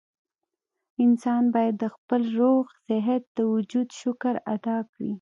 انسان بايد د خپل روغ صحت د وجود شکر ادا کړي